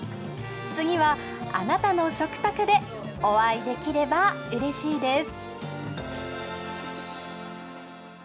次はあなたの食卓でお会いできればうれしいです。